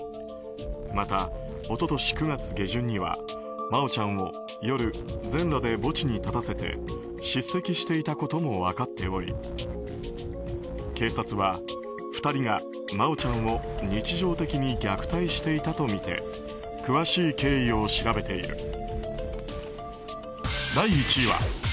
また、一昨年９月下旬には真愛ちゃんを夜、全裸で墓地に立たせて叱責していたことも分かっており警察は２人が真愛ちゃんを日常的に虐待していたとみて詳しい経緯を調べている。